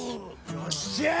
よっしゃー！